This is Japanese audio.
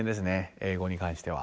英語に関しては。